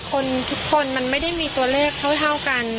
คนทุกคนมันไม่ได้มีตัวเลขเท่ากัน